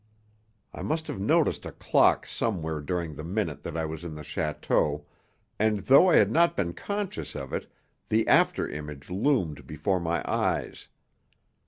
I must have noticed a clock somewhere during the minute that I was in the château, and though I had not been conscious of it, the after image loomed before my eyes.